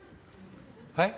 はい？